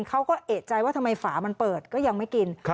เขาก็เอกใจว่าทำไมฝามันเปิดก็ยังไม่กิน